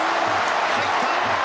入った。